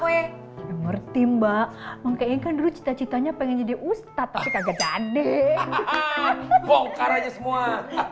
we ngerti mbak mungkin kan dulu cita citanya pengen jadi ustadz kaget ande pokoknya semua